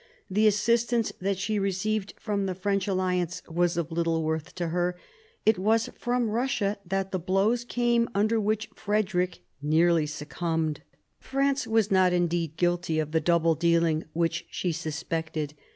The assistance that she received from the French alliance was of little worth to her ; it was from Russia that the blows came under which Frederick nearly succumbed. France was not indeed guilty of the double dealing which she suspected.